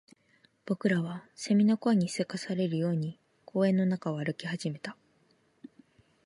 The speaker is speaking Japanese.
僕らは蝉の声に急かされるように公園の中を歩き始めた